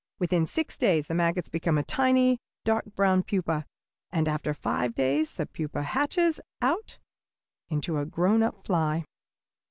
Within six days the maggot becomes a tiny, dark brown pupa, and after five days the pupa hatches out into a grown up fly."